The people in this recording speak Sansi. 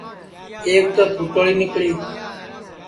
ایک تو پُھٹوڑی نکݪی